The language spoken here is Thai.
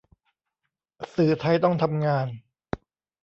สื่อไทยต้องทำงาน